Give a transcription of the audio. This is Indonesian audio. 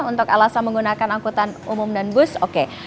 untuk alasan menggunakan angkutan umum dan bus oke